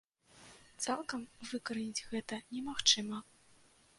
Цалкам выкараніць гэта немагчыма.